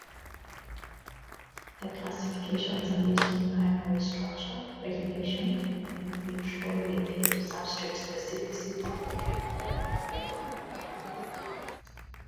The classifications are based on primary structure, regulation, and "in vitro" lipid substrate specificity.